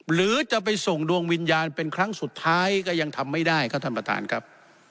หรือจะไปส่งดวงวิญญาณเป็นครั้งสุดท้ายก็ยังทำไม่ได้ครับท่านประธานครับ